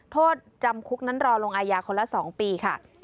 โทษจำคุกนั้นรอลงอายาคนละ๒ปีค่ะ